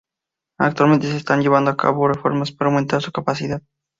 Actualmente se están llevando a cabo reformas para aumentar su capacidad.